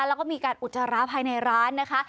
แล้วก็มีการอุจจาระภายในร้านนะคะ